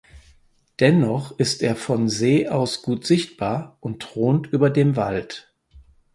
Dennoch ist er von See aus gut sichtbar und thront über dem Wald.